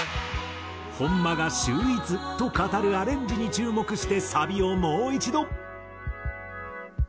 本間が秀逸と語るアレンジに注目してサビをもう一度。